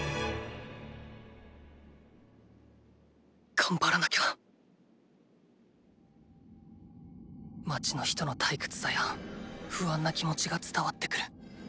頑張らなきゃ街の人の退屈さや不安な気持ちが伝わってくる。